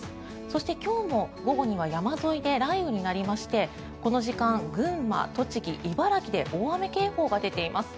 そして、今日も午後には山沿いで雷雨になりましてこの時間、群馬、栃木、茨城で大雨警報が出ています。